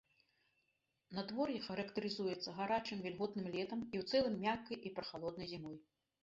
Надвор'е характарызуецца гарачым, вільготным летам і ў цэлым мяккай і прахалоднай зімой.